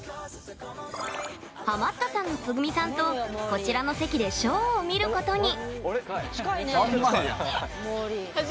ハマったさんのつぐみさんとこちらの席でショーを見ることに。